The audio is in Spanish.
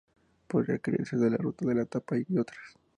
Podría crearse la ruta de la tapa y otras.